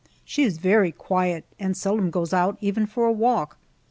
She is very quiet, and seldom goes out, even for a walk.